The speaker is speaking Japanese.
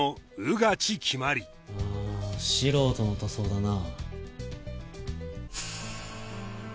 ああ素人の塗装だな。